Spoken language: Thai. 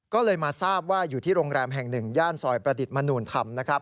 ก็เลยมาทราบว่าอยู่ที่โรงแรมแห่งหนึ่งย่านซอยประดิษฐ์มนูลธรรมนะครับ